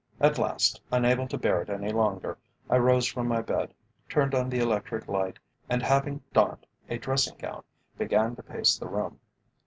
At last, unable to bear it any longer, I rose from my bed, turned on the electric light, and, having donned a dressing gown, began to pace the room.